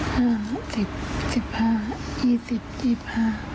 หัวภาพอ่ะสิบสิบห้าอีสิบจีบห้า